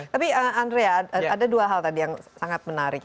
tapi andrea ada dua hal tadi yang sangat menarik